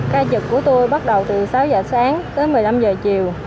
ca trực của tôi bắt đầu từ sáu giờ sáng tới một mươi năm giờ chiều